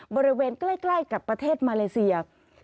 บริเวณใกล้กับประเทศมาเลเซีย